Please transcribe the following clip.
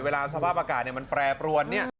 เวลาสภาพอากาศมันแปรปรวน